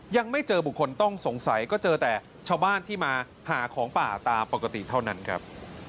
ยังไม่เจอบุคคลต้องสงสัยก็เจอแต่ชาวบ้านที่มาหาของป่าตามปกติเท่านั้นครับ